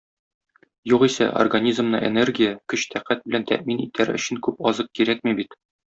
Югыйсә, организмны энергия - көч-тәкать белән тәэмин итәр өчен күп азык кирәкми бит.